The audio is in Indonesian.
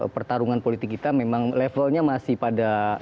pertarungan politik kita memang levelnya masih pada